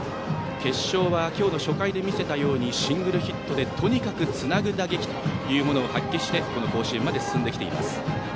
決勝は今日の初回で見せたようにシングルヒットでとにかくつなぐ打撃を発揮して甲子園まで進んでいます。